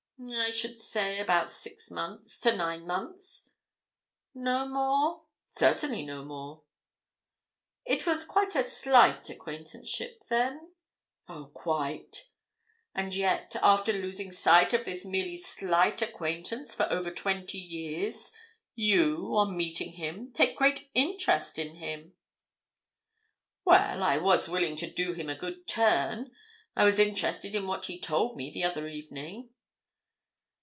"I should say about six months to nine months." "No more?" "Certainly no more." "It was quite a slight acquaintanceship, then?" "Oh, quite!" "And yet, after losing sight of this merely slight acquaintance for over twenty years, you, on meeting him, take great interest in him?" "Well, I was willing to do him a good turn, I was interested in what he told me the other evening."